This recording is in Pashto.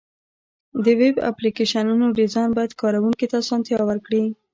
د ویب اپلیکیشنونو ډیزاین باید کارونکي ته اسانتیا ورکړي.